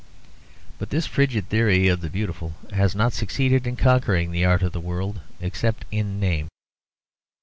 But this frigid theory of the beautiful has not succeeded in conquering the art of the world, except in name.